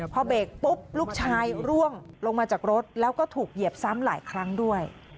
พอเบรกปุ๊บลูกชายร่วงลงมาจากรถแล้วก็ถูกเหยียบซ้ำหลายครั้งด้วย